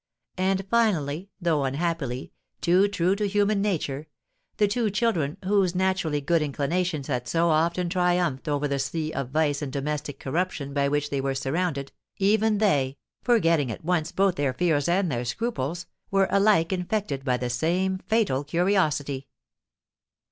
And finally though unhappily, too true to human nature the two children, whose naturally good inclinations had so often triumphed over the sea of vice and domestic corruption by which they were surrounded, even they, forgetting at once both their fears and their scruples, were alike infected by the same fatal curiosity.